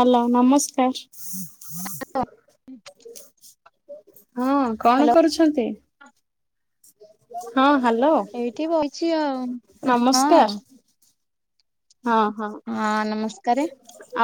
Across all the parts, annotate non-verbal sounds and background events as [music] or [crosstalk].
Hello ନମସ୍କାର। ହଁ, କଣ ହ୍ୟାଲୋ କରୁଛନ୍ତି? ହଁ ହ୍ୟାଲୋ ଏଇଠି ବଇଛି ଆଉ ହଁ। ନମସ୍କାର। ହଁ ହଁ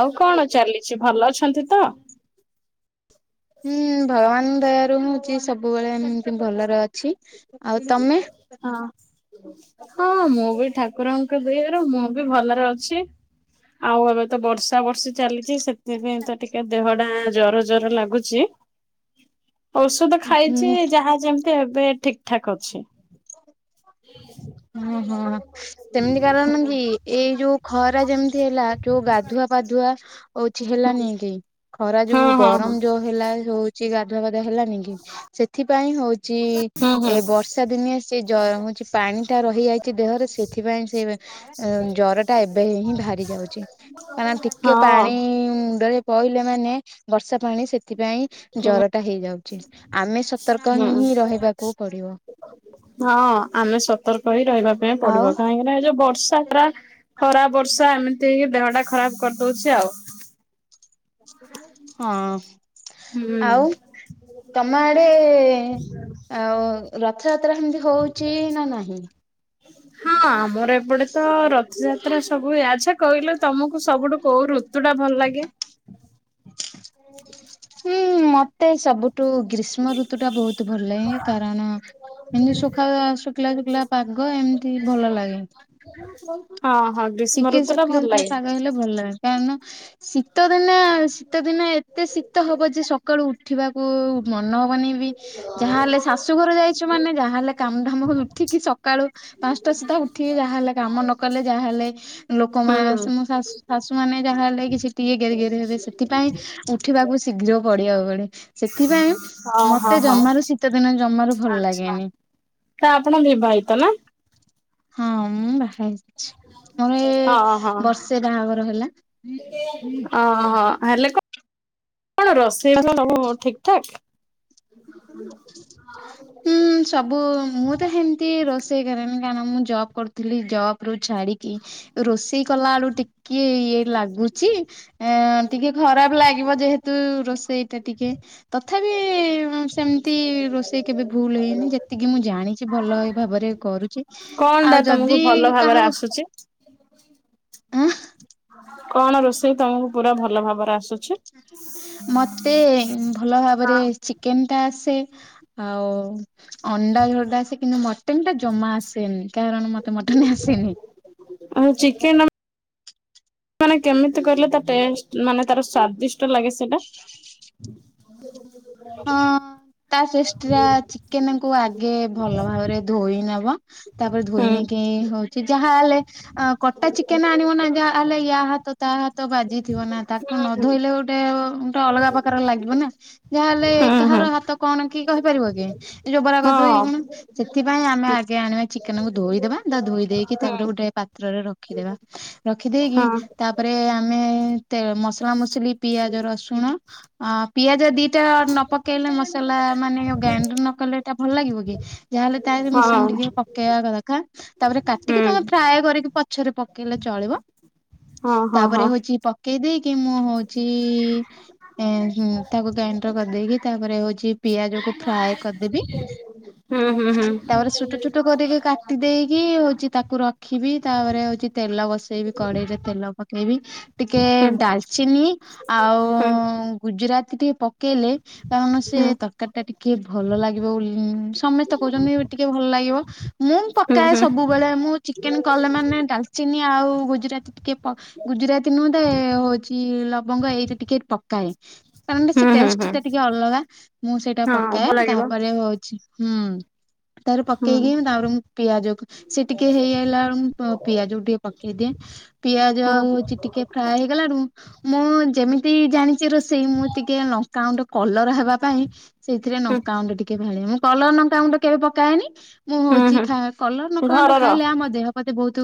ଆଉ କଣ ଚାଲିଛି ଭଲ ଅଛନ୍ତି ତ? ହୁଁ ଭଗବାନ ଦୟାରୁ ହଉଛି ସବୁବେଳେ ଏମିତି ଭଲରେ ଅଛି। ଆଉ ତମେ? ହଁ। ହଁ ମୁଁ ବି ଠାକୁରଙ୍କ ଦୟାରୁ ମୁଁ ବି ଭଲରେ ଅଛି। ଆଉ ଏବେ ତ ବର୍ଷା ବର୍ଷି ଚାଲିଛି ସେଥିପାଇଁ ତ ଟିକେ ଦେହ ଟା ଜର ଜର ଲାଗୁଛି। ଔଷଧ ହୁଁ ଖାଇଛି ଯାହା ଯେମିତି ଏବେ ଠିକ ଠାକ ଅଛି। ଛି। ଓ ହୋଁ ସେମିତି କାରଣ ହଁ। କି ଏଇ ଯୋଉ ଖରା ଯେମିତି ହେଲା ଯୋଉ ଗାଧୁଆ ପାଧୁଆ ଅଉଛି ହେଲାନି କେହି ଖରା ହଁ ଯୋଉ ହଁ ହଁ ଗରମ ଯୋଉ ହେଲା ହଉଛି ଗାଧୁଆବାଧା ହେଲାନି କି ସେଥିପାଇଁ ହଉ ଛି ହୁଁ ହୁଁ ଏ ବର୍ଷା ଦିନିଆ ସେ ଜରମ ହଉଛି ପାଣି ହେଇଯାଇଛି ଦେହରେ ସେଥିପାଇଁ ସେ ଜରଟା ଏବେ ହିଁ ବାହାରି ଯାଉଛି। ହଁ ଟିକେ ହଁ। ପାଣି ମୁଣ୍ଡରେ ପଇଲେ ମାନେ ବର୍ଷା ପାଣି ସେଥିପାଇଁ ହୁଁ ଜରଟା ହେଇଯାଉଛି ଆମେ ସତର୍କ ହିଁ ହୁଁ ହିଁ ରହିବାକୁ ପଡିବ। ହଁ ଆମେ ସତର୍କ ହେଁଇ ରହିବା ପାଇଁ ପଡିବ ଆଉ କାହିଁକିନା ଏ ଯୋଉ ବର୍ଷା ପରା ଖରା ବର୍ଷା ଏମିତି ହେଇକି ଦେହ ଟା ଖରାପ କରିଦଉଛି ଆଉ। ହଁ ହୁଁ। ଆଉ ତମ ଆଡେ ଆ ରଥଯାତ୍ରା ଏମିତି ହଉଛି ନା ନାହିଁ? ହଁ ଆମର ଏପଟେ ତ ରଥଯାତ୍ରା ସବୁ ହୁଏ ଆ କଥା କହିଲେ ତମକୁ ସବୁଠୁ କୋଉ ଋତୁ ଟା ଭଲ ଲାଗେ? ହୁଁ ମତେ ସବୁ ତୁ ଗ୍ରୀଷ୍ମ ଋତୁଟା ବହୁତ ଭଲ ଲାଗେ କାରଣ ଏମିତି ଶୁଖା ଶୁଖିଲା ଶୁଖିଲା ପାଗ ଏମିତି ଭଲ ଲାଗେ। ହଁ ହଁ [unintelligible] ଟିକେ ଶୁଖିଲେ ଭଲ ଶୁଖିଲେ ଲାଗେ ପାଗ ହେଲେ ଭଲ ଲାଗେ କାରଣ ଶୀତ ଦିନେ ଶୀତ ଦିନେ ଏତେ ଶି ହବ ଯେ ସକାଳୁ ଉଠିବାକୁ ମନ ହବନି ବି ଯାହାହଲେ ସା ଶାଶୁଘର ଯାଇଛୁ ମାନେ ଯାହା ହେଲେ କାମଧାମ କ ଉଠିକି ସକାଳୁ ପାଞ୍ଚଟା ସୁଧା ଉଠିକି ଯାହାହଲେ କାମ ନ କଲେ ଯାହାହଲେ ହୁଁ ଲୋକମାନେ ମୋ ଶାଶ ଶାଶୁ ମାନେ ଯାହା ହେଲେ କି ସେ ଟିକେ ଘେରି ଘେରି ହେବେ ସେଥିପାଇଁ ଉଠିବାକୁ ଶୀଘ୍ର ପଡିବା ବେଳେ। ସେଥିପାଇଁ ହଁ ହଁ ମତେ ହଁ। ଜମାରୁ ଶୀତ ଦିନ ଜମାରୁ ଭଲ ଆଚ୍ଛା ଲାଗେନି। ତ ଆପଣ ବିିବାହିତ ନା? ହଁଁ ବାହାହେଇଛି। ଆମର ଏ ହଁ ହଁ। ବର୍ଷେ ବାହାଘର ହେଲା। ଅ ହେଲେ କଣ କଣ ରୋଷେଇ ବାସ ସବୁ ଠିକ ଠାକ୍? ହଁ ହ ହୁଁ ସବୁ ମୁଁ ତ ସେମିତି ରୋଷେଇ କରେନି କାରଣ ମୁଁ ଜବ୍ କରୁଥିଲି ଜବ୍ ରୁ ଛାଡିକି ରୋଷେଇ କଲା ବେଳୁ ଟିକେ ଇଏ ଲାଗୁଛି। ଆ ଟିକେ ଖରାପ ଲାଗିବ ଯେହେତୁ ରୋଷେଇଟା ଟିକେ ତଥାପି ସେମିତି ରୋଷେଇ କେବେ ଭୁଲ ହେଇନି ଯେତିକି ମୁଁ ଜାଣିଛି ଭଲ ଭାବରେ କରୁଛି। କଣ ଟା ଆଉ ତମକୁ ଯଦି ଭଲ ଭାବରେ କାହାକୁ ଆସୁଛି ଆଁ। କଣ ରୋଷେଇ ତମକୁ ପୁରା ଭଲ ଭାବରେ ଆସୁଛି? ମତେ ଭଲ ଭାବରେ ଚିକେନ ଟା ଆସେ। ଆଉ ଅଣ୍ଡା ଝୋଳଟା ଆସେ କିନ୍ତୁ ମଟନଟା ଜମା ଆସେନି କାରଣ ମତେ ତ ମଟନ ଆସେନି। ଆଉ ଚିକେନ ମାନେ କେମିତି କହିଲ ତା ଟେଷ୍ଟ ମାନେ ତାର ସ୍ଵାଦିଷ୍ଟ ଲାଗେ ସେଇଟା। ହଁ, [unintelligible] ଚିକେନ କୁ ଆଗେ ଭଲ ଭାବରେ ଧୋଇ ନବ। ତାପରେ ଧୋଇ ହୁଁ ନେଇକି ହଉଛି ଯାହା ହେଲେ କଟା ଚିକେନ ଆଣିବ ନା ଯାହା ହେଲେ ୟା ହାତ ତା ହାତ ବାଜିଥିବ ନା ତାକୁ ହୁଁ କଣ ହୁଁ ନଧୋଇଲେ ଗୋଟେ ଗୋଟେ ଅଲଗା ପ୍ରକାର ଲାଗିବ ନା। ତାହେଲେ ହଁ। କାହାର ହାତ କଣ କିଏ କହିପାରିବ କି ହଁ ହଁ ଯୋଉ ସେଥିପାଇଁ ଆମେ ଆଗେ ଆଣିବା ଚିକେନକୁ ଧୋଇଦବା ତାପରେ ଧୋଇ ଦେଇେଇକି ହୁଁ ତାପରେ ଗୋଟେ ପାତ୍ରରେ ରଖ ରଖିଦବା ରଖିଦେଇକି ହଁ ତା ତାପରେ ଆମେ ତେ ମସଲା ମସଲି ପିଆଜ ରସୁଣ ଆ ପିଆଜ ଦି ନ ପକେଇଲେ ମସଲା ମାନେ ଗ୍ରାଇଣ୍ଡର ନକଲେ ଏଇଟା ଭଲ ଲାଗିବ କି? ଯାହାହଲେ ତାଦେହରେ ମିଶ୍ରଣ ଟିକେ ପକେଇବା କଥା। ତାପରେ କାଟିକି ତମେ ଫ୍ରାଏ କରିକି ପଛରେ ପକେଇଲେ ଚଳିବ। ହଁ ତାପରେ ହଁ। ହଉଛି ପକେଇ ଦେଇ କି ମୁଁ ହଉଛି ଏ ତାକୁ ଗ୍ରାଇ କରିଦେଇକି ତାପରେ ହଉଛି ପିଆଜକୁ ଫ୍ରାଏ କରିଦେବି। ହୁଁ ହୁଁ ହୁଁ। ତାପରେ ଛଟ ଛୁଟ କରିକି କାଟ୍ କାଟି ଦେଇକି ହଉଛି ତାକୁ ରଖିବି ତାପରେ ହଉଛି ତେଲ ବସେଇବି କଡ଼େଇରେ ତେଲ ପକେଇବି। ଟିକେ ହୁଁ ଡାଲଚିନି। ଆଉ ହୁଁ ଗୁଜୁରାତି ଟିକେ ପକେଇଲେ, କାରଣ ହୁଁ ସେ ହୁଁ ତରକାରୀ ଟା ଟିକେ ଟିକିଏ ଭଲ ଲାଗିବ ବୋଲି ସମସ୍ତେ କହୁଛନ୍ତି ଟିକେ ଭଲ ଲାଗିବ ମୁଁ ପକାଏ ହୁଁ ହୁଁ ସବୁ ସବୁବେଳେ ମୁଁ ଚିକେନ୍ କଲା ମାନେ ଡାଲଚିନି ଆଉ ଗୁଜୁରାତି ଟିକେ ପ ଗୁଜୁରାତି ନୁହେଁ ତ ହଉଛି ଲବଙ୍ଗ ଏଇଟା ଟିକେ ପକାଏ। କାରଣ ସେ ହୁଁ ଟେଷ୍ଟ ହୁଁ। ଟା ଟିକେ ଅଲଗା ମୁଁ ସେଇଟା ହଁ ପକାଏ। ଭଲ ଲାଗିବ ତାପରେ ହଉଛି ହୁଁ। ତାପରେ ହୁଁ ପକେଇକି ମୁଁ ତାପରେ ମୁ ପିଆଜକୁ ସେ ଟିକେ ହେଇଆଇଲା ପିଆଜକୁ ଟିକେ ପକେଇଦିଏ। ପିଆଜ ହୁଁ ହଉଛି ଟିକେ ଫ୍ରାଏ ହେଇଗଲାରୁ ମୁଁ ଯେମିତି ଜାଣିଛି ରୋଷେଇ ମୁଁ ଟିକେ ଲଙ୍କାଗୁଣ୍ଡ କଲର ହେବା ପାଇଁ ସେଇଥିରେ ହୁଁ ହୁଁ ନଙ୍କା ଗୁଣ୍ଡ ଟିକେ ଢାଳେ। ମୁଁ କଲର ନଙ୍କା ଗୁଣ୍ଡ କେବେ ପକାଏନି। ମୁଁ ହଉଛି ହୁଁ। ଖା କଲର ନଙ୍କା ଗୁଣ୍ଡ ଘରର ଖାଇଲେ ଆମ ଦେହ ପ୍ରତି ବହୁତ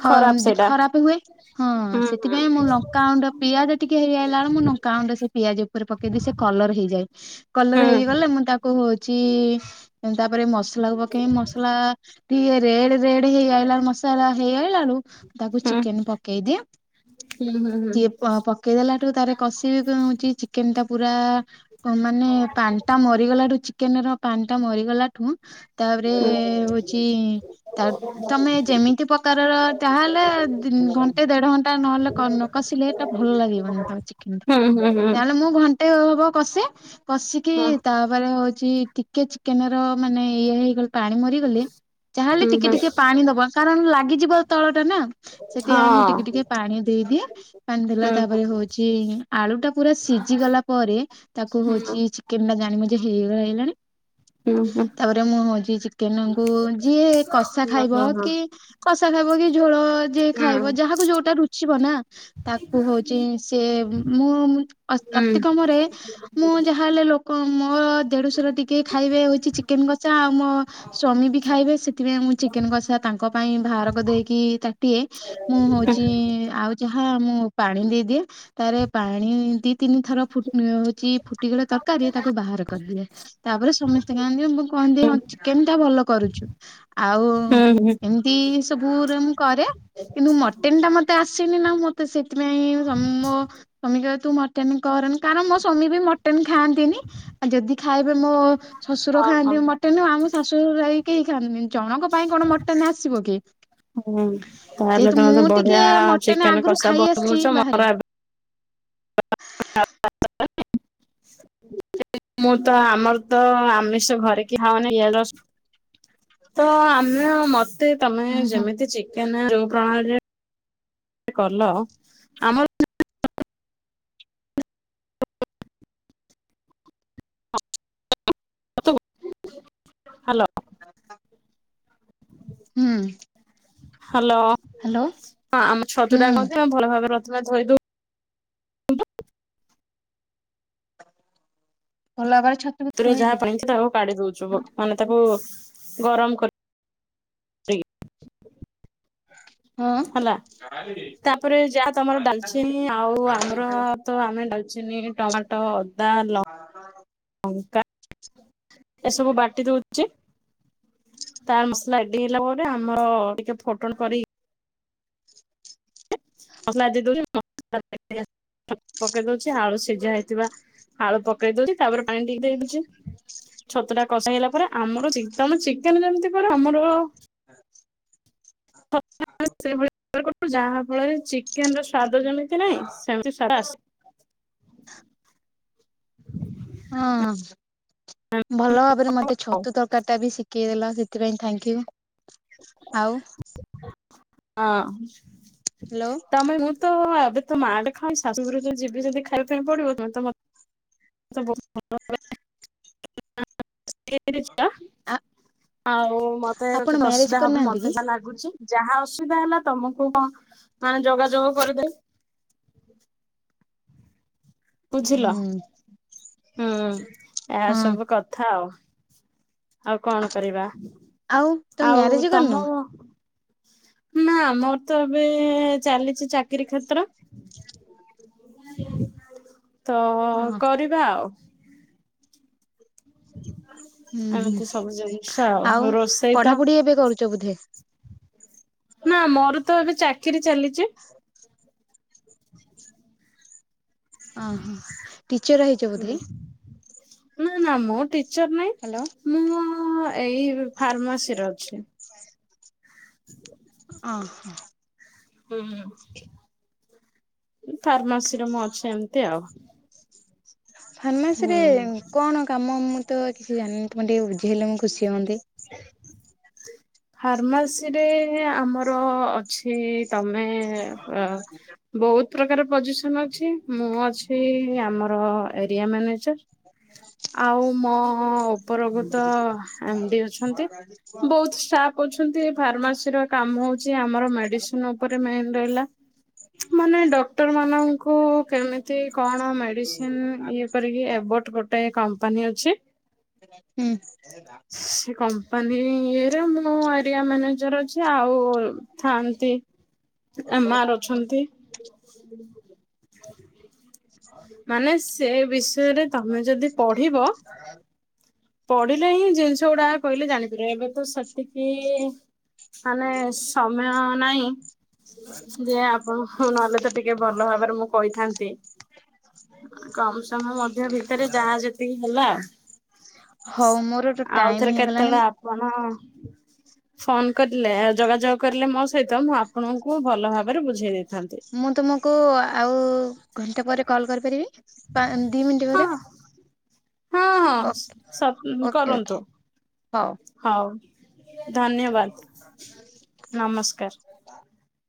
ଖ ଖରାପ ସେଇଟା ଖରାପ ହୁଏ। ହଁ ହୁଁ ହୁଁ ସେଥିପାଇଁ ମୁଁ ନଙ୍କା ଗୁଣ୍ଡ ପିଆଜ ଟିକେ ହେରିଆଇଲା ବେଳକୁ ମୁଁ ନଙ୍କା ଗୁଣ୍ଡ ସେ ପିଆଜ ଉପରେ ପକେଇଦିଏ ସେ କଲର ହେଇଯାଏ। କଲର ହୁଁ। ହେଇ ଗଲେ ମୁଁ ତାକୁ ହଉଛି ତାପରେ ମସଲାକୁ ପକେଇବି। ମସଲା ଟିକେ ରେଡ୍ ରେଡ୍ ହେଇ ଆଇଲା ମସଲା ହେଇ ଆଇଲାବେଳୁ ତାକୁ ଚିକେନ ପକେଇଦିଏ। ହୁଁ ହୁଁ ହୁଁ। ସିଏ ପକେଇଦେଲାଠୁ ତାପରେ କଷିବି ଦଉଛି ଚିକେନ ଟା ପୁରା ମାନେ ପାଣି ଟା ମରିଗଲାରୁ ଚିକେନ ର ପାଣି ଟା ମରିଗଲାଠୁ ତାପରେ ହୁଁ ହଉଛି ତା ତମେ ଯେମିତି ପ୍ରକାରର ଯାହାହେଲେ ଘ ଘଣ୍ଟେ ଦେଢ ଘଣ୍ଟା ନହେଲେ ନ କଷିଲେ ଏଟା ଭଲ ଲାଗିବନି ତ ଚିକେନ୍ ହୁଁ ହୁଁ ହୁଁ। ଟା। ମୁଁ ଘଣ୍ଟେ ହବ କଷେ, କଷିକି ତାହେଲେ ତାପରେ ହଉଛି ଟିକେ ଚିକେନ ର ମାନେ ଇଏ ହେଇଗଲେ ପାଣି ମରି ଯାହାହେଲେ ତମେ ଟିକେ ଟିକେ ପାଣି ଦବ କାରଣ ଲାଗିଯିବ ତଳ ଟା ନା। ସେଠି ଆ ମୁଁ ଟିକେ ଟିକେ ପାଣି ଦେଇଦିଏ। ପାଣି ଦେଲା ତାପରେ ହଉଛି ଆଳୁଟା ସିଝିଗଲା ପରେ ତାକୁ ହଉଛି ଚିକେନ ଟା ଜାଣିବଯେ ହେଇଗଲା ହେଇଗଲାଣି। ହୁଁ। ତାପରେ ମୁଁ ହଉଛି ଚିକେନଙ୍କୁ ଯିଏ କଷା ଖାଇବ କି କଷା ଖାଇବ କି ଝୋଳ ଯିଏ ଖାଇବ ଯାହାକୁ ଯୋଉଟା ରୁଚିବ ନା ତାକୁ ହଉଛି ସେ ମୁଁ ଅ ଅତିକମରେ ମୁଁ ଯାହାହଲେ ଲୋକ ମୋର ଦେଢଶହ ର ଟିକେ ଖାଇବେ ହଉଛି ଚିକେନ କସା ଆଉ ମୋ ସ୍ଵାମୀ ବି ଖାଇବେ ସେଥିପାଇଁ ମୁଁ ଚିକେନ କଷା ତାଙ୍କ ପାଇଁ ବାହାରକର ଦେଇକି ତାଟିଏ ମୁଁ ହଉଛି ଆଉ ଯାହା ମୁ ପାଣି ଦେଇଦିଏ ତାର ପାଣି ଦି ତିନି ଥର ଫୁ ହଉଛି ଫୁଟି ଗଲା ତରକାରୀ ତାକୁ ବାହାର କରିଦିଏ। ତାପରେ ସମସ୍ତେ କହନ୍ତି ମୁଁ କହନ୍ତି ହଁ ଚେକେନ ଟା ଭଲ କରୁଛୁ ଆଉ ଏମ ତି ସବୁ ମୁଁ କରେ କିନ୍ତୁ ମଟେନ ଟା ମତେ ମତେ ଆସିନି ନା ମତେ ସେଥିପାଇଁ ସ୍ୱାମୀ ମୋ ସ୍ୱାମୀ କହନ୍ତି [unintelligible] ମାଟେନ କରନି କାରଣ ମୋ ସ୍ୱାମୀ ବି ମଟେନ୍ ଖାଆନ୍ତିନି ଆଉ ଯଦି ଖାଇବେ ମୋ ଶ୍ୱଶୁର ଖାଆନ୍ତି ମୋଟେନ ଆମ ଶାଶୁରାଇ କେହି ଖାନ୍ତିନି। ଜଣଙ୍କ ପାଇଁ କଣ ମଟନ ଆସିବ କି? ଯେହେତୁ ତ ମୁଁ ଟିକେ ବଢିଆ ମଟନ ଚିକେନ ଆଗରୁ କଷା ଖାଇ ଆସିଛି ବନଉଛ ମୋର ବାହାରେ ଏବେ ଆଛା। ମୁଁ ତ ଆମର ତ ଆମେଷ ଘରେ କି ହଉନିଇ ପିଆଜ ରସୁଣ ତ ଆମେ ମ ମତେ ତମେ ହୁଁ ହୁଁ ଯେମିତି ଚିକେନ ଯୋଉ ପ୍ରଣାଳୀରେ କଲ ଆମର ହ୍ୟାଲୋ। ହୁଁ। Hello hello. ହଁ ଆମ ହୁଁ [unintelligible] [unintelligible] ଭଲ ଭାବରେଛ ଯାହା ପାଣିଛି ତାକୁ କାଢି ଦଉଛୁ ମାନେ ତାକୁ ଗରମ କରି ହେଲା ଉଁ [unintelligible] ତାପରେ ଯାହା ତମର ଡାଲଚୀନ ଆଉ ଆମର ତ ଆମେ ଡାଲଚିନ ଟମାଟୋ ଅଦା ଲଙ୍କା ଏସବୁ ବାଟି ଦଉଛି। ତାର ମସଲା ଏଡି ହେଲା ପରେ ଆମର ଟିକେ ଫୋଟଣ କରି ମସଲା ଦେଇ ଦଉଛି ପକେଇ ଦଉଛି ଆଳୁ ସିଝା ହେଇଥିବା ହାଳୁ ପକେଇ ଦଉଛି ତାପରେ ପାଣି ଟିକେ ଦେଇଦଉଛି। ଛତ ଟା କଷେଇ ହେଲା ପରେ ଆମର ତମେ ଚିକେନ ଯେମିତି କର ଆମର [unintelligible] [unintelligible] ଯାହା ଫଳରେ ଚିକେନ ର ସ୍ଵାଦ ଜମେ ନାଇଁ ସେମିତି। [unintelligible] ହଁ। ଭଲ ଭାବରେ ମତେ ଛତୁ ତରକାରୀ ଟା ବି ଶିଖେଇ ଦେଲ ସେଥିପାଇଁ। [unintelligible] ଆଉ ହଁ। ହ୍ୟାଲୋ। ତମେ ମୁଁ ତ ଏବେ ତ ମ ମାଆଟେ ଖାଉ ଶାଶୁୁରରୁ ଯ ଯିବିମି ଖାଇବା ପାଇଁ ପଡିବ। [unintelligible] ତ ବହୁତୁ ଭଲ ଆ ଆଉ ମତେ କିଛି ଆପଣ ମ୍ୟାରେଜ ଅସୁବିଧା ହବ କରିନାହାନ୍ତି ମତେ କି ଯା ଲାଗୁଛି। ଯାହା ଅସୁବିଧା ହେଲା ତମକୁ କଣ ମାନେ ଯୋଗାଯୋଗ କରିଦେବ। ବୁଝିଲ ହୁଁ ହୁଁ ହଁ ଏସବୁ କଥା ଆଉ। ଆଉ କଣ କରିବା? ଆଉ ତମେ ଆଉ ମ୍ୟାରେଜ କରିନ ତମ। ନା ଆମର ତ ଏବେ ଚାଲିଛି ଚାକିରୀ କ୍ଷେତ୍ର। ତ ହଁ କରିବା ଆଉ। ହୁଁ ଏମିତି ସବୁ ହୁଁ ଜିନିଷ ଆଉ ରୋଷେଇ ତ ପଢାପଢି ଏବେ କରୁଛ ବଧେ? ନା ମୋର ତ ଏବେ ଚାକିରି ଚାଲିଚି। ହ ଅ ହ ଟିଚର ହେଇଛ ବୋଧେ। ନା ନା ମୁଁ ଟିଚର ନାଇଁ। ହାଲୋ। ମୁଁ ଏଇ ଫାର୍ମାସିରେ ଅଛି। ଅ ହ। ହୁଁ ଫାର୍ମାସିରେ ମୁଁ ଅଛି ଏମିତି ଆଉ। ଫାର୍ମାସି ହୁଁ। ରେ କଣ କାମ ମୁଁ ତ କିଛି ଜାଣିନି ତମେ ଟିକେ ବୁଝେଇଲେ ମୁଁ ଖୁସି ହୁଅନ୍ତି। ଫାର୍ମାସିରେ ଆମର ଅଛି ତମେ। ଏ ଅ ବହୁତ ପ୍ରକାର ପୋଜିସନ ଅଛି ମୁଁ ଅଛି ଆମର ଏରିଆ ମ୍ୟାନେଜର। ଆଉ ମୋ ଉପର କୁ ତ ଏମ ଡି ଅଛନ୍ତି। ବହୁତ ଷ୍ଟାଫ ଅଛନ୍ତି ଫାର୍ମାସି ର କାମ ହଉଛି ଆମର ମେଡିସିନ ଉପରେ ମେନ ରହିଲା। ମାନେ ଡକ୍ଟର ମାନଙ୍କୁ କେମିତି କଣ ମେଡିସିନ ଇଏ କରିକି ଏବୋଟ ଗୋଟେ କମ୍ପାନୀ ଅଛି। ହୁଁ। ସେ କମ୍ପାନୀରେ ମୁଁ ଏରିଆ ମ୍ୟାନେଜର ଅଛି ଆଉ। ଥାଆନ୍ତି ଏମ ଆର ଅଛନ୍ତି। ମାନେ ସେ ବିଷୟରେ ତମେ ଯଦି ପଢିବ। ପଢିଲେ ହିଁ ଜିନିଷ ଗୁଡା କହିଲେ ଜାଣିପାରିବ ଏବେ ତ ସେତିକି। ମାନେ ସମୟ ନାହିଁ। ଯେ ଆପଣ ନହେଲେ ତ ଟିକେ ଭଲ ଭାବରେ ମୁଁ କହିଥାନ୍ତି। କମ ସମୟ ମଧ୍ୟ ଭିତରେ ଯାହା ଯେତିକି ହେଲା। ହଉ ମୋର ତ ଟାଇମ ଆଉଥରେ ହେଇଗଲାଣି କେତେବେଳେ ଆ ପଣ ଫୋନ କରିଲେ ଯୋଗାଯୋଗ କରିଲେ ମୋ ସହିତ ମୁଁ ଆପଣଙ୍କୁ ଭଲ ଭାବରେ ବୁଝେଇ ଦେଇଥାନ୍ତି। ମୁଁ ତୁମକୁ ଆଉ ଘଣ୍ଟେ ପରେ କଲ୍ କରିପାରିବି ପା ଦି ମିଣ୍ଟି ହଁ ପରେ। ହଁ ହଁ ଓକେ ସ ଓକେ ଓକେ କରନ୍ତୁ। ହଉ ହଉ ଧନ୍ୟବାଦ ନମସ୍କାର।